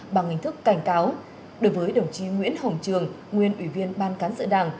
bằng hình thức cảnh cáo đối với đồng chí nguyễn hồng trường nguyên ủy viên ban cán sự đảng